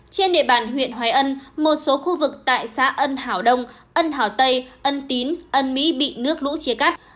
trên địa bàn huyện hoài ân một số khu vực tại xã ân hảo đông ân hảo tây ân tín ân mỹ bị nước lũ chia cắt